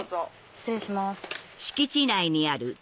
失礼します。